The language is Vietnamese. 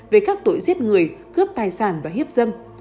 về các tội giết người cướp tài sản và hiếp dâm